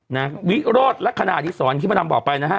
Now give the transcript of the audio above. นะวิโรธลักษณะที่สอนคิมพะดำบอกไปนะฮะ